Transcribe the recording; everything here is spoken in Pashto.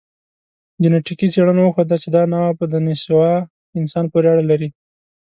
جنټیکي څېړنو وښوده، چې دا نوعه په دنیسووا انسان پورې اړه لري.